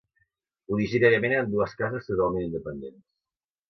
Originàriament eren dues cases totalment independents.